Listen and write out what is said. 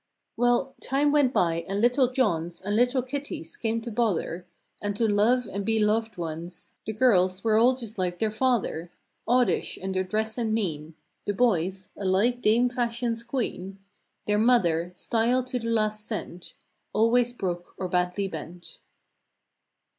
Well, time went by, and little Johns And little Kitties came to bother And to love and be loved ones— The girls were all just like their father— Oddish in their dress and mien. The boys—alike Dame Fashion's queen. Their mother—style to the last cent— Always broke or Sadly bent.